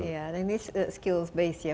ini skill base ya